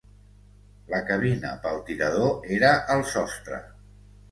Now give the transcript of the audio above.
La cabina pel tirador era al sostre.